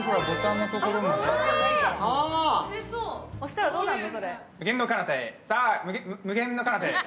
押したらどうなるの？